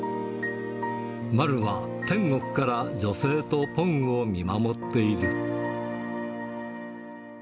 まるは天国から女性とぽんを見守っている。